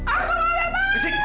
aku mau bebas